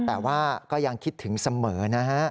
แต่ว่าก็ยังคิดถึงเสมอนะฮะ